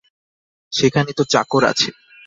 সেখানে তো চাকর আছে।